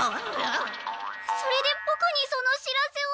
それでボクにその知らせを。